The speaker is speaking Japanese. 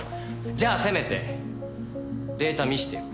じゃあせめてデータ見せてよ。